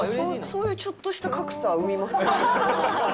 そういうちょっとした格差生みますよね。